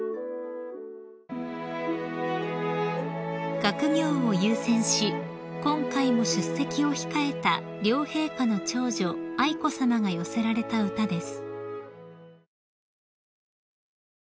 ［学業を優先し今回も出席を控えた両陛下の長女愛子さまが寄せられた歌です］